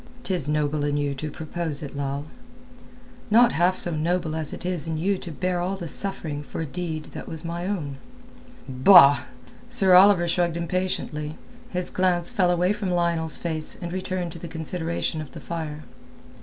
"'Tis noble in you to propose it, Lal." "Not half so noble as it is in you to bear all the suffering for a deed that was my own." "Bah!" Sir Oliver shrugged impatiently; his glance fell away from Lionel's face and returned to the consideration of the fire.